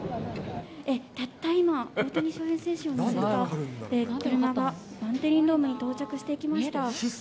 たった今、大谷翔平選手を乗せた車がバンテリンドームに到着してきました。